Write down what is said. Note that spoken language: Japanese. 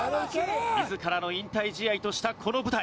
自らの引退試合としたこの舞台。